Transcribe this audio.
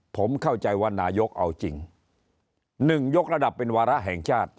ผมเข้าใจว่านายกเอาจริง๑ยกระดับเป็นวาระแห่งชาติ